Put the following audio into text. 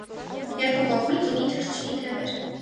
Երկու կողմից ունի թռչնի թևեր։